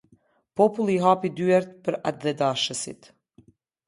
Populli i hapi dyert për atdhedashësit.